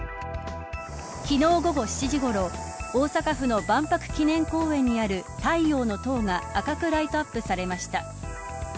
昨日午後７時ごろ大阪府の万博記念公園にある太陽の塔が赤くライトアップされました。